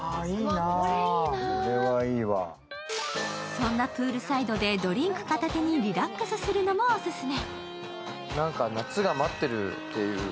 そんなプールサイドでドリンク片手にリラックスするのもオススメ。